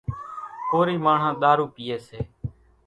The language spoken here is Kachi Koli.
ڪورِي ماڻۿان ۮارُو پيئيَ سي۔